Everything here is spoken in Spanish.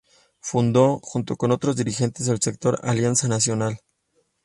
Fundó, junto con otros dirigentes, el sector Alianza Nacional.